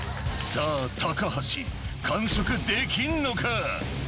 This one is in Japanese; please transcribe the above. さあ、高橋、完食できんのか。